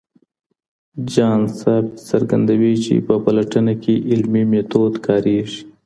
جان سبت څرګندوي چي په پلټنه کي علمي میتود کاریږي.